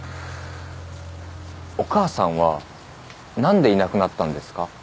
お母さんは何でいなくなったんですか？